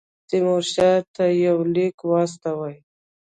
تیمورشاه ته یو لیک واستوي.